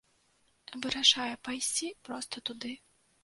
Вырашаю пайсці проста туды.